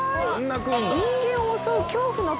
人間を襲う恐怖の鳥